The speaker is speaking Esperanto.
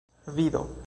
vido